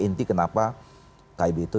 inti kenapa kib itu